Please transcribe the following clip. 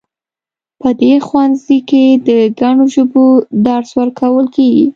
په دې ښوونځي کې د ګڼو ژبو درس ورکول کیږي